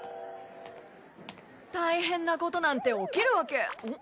大変なことなんて起きるわけん？